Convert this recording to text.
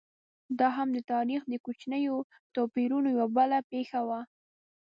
دا هم د تاریخ د کوچنیو توپیرونو یوه بله پېښه وه.